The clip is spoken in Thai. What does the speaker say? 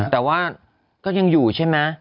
แต่ว่าก็ยังอยู่ใช่ไหม